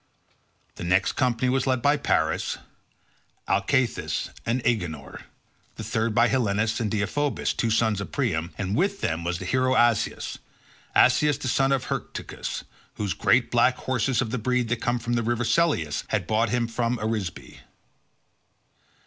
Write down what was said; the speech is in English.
The next company was led by Paris, Alcathous, and Agenor; the third by Helenus and Deiphobus, two sons of Priam, and with them was the hero Asius—Asius, the son of Hyrtacus, whose great black horses of the breed that comes from the river Selleis had brought him from Arisbe.